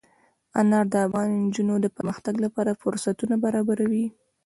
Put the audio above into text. انار د افغان نجونو د پرمختګ لپاره فرصتونه برابروي.